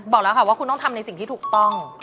บอกแล้วค่ะว่าคุณต้องทำในสิ่งที่ถูกต้อง